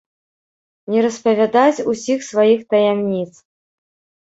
Не распавядаць усіх сваіх таямніц.